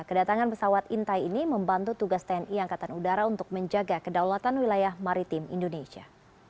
kedatangan pesawat intai ini membantu tugas tni angkatan udara untuk menjaga kedaulatan wilayah maritim indonesia